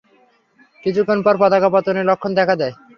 কিছুক্ষণ পর পতাকা পতনের লক্ষণ দেখা দেয়।